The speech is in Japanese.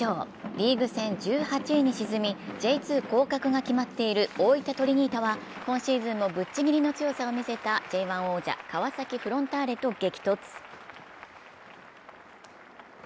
リーグ戦１８位に沈みＪ２降格が決まっている大分トリニータは今シーズンもぶっちぎりの強さを見せたＪ１王者、川崎フロンターレと激突。